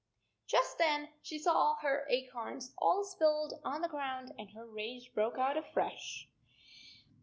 n Just then she saw her acorns all spilled on the ground, and her rage broke out afresh.